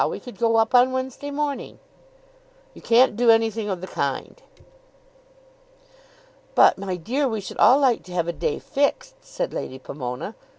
We could go up on Wednesday morning." "You can't do anything of the kind." "But, my dear, we should all like to have a day fixed," said Lady Pomona.